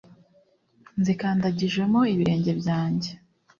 nzikandagijemo ibirenge byanjye.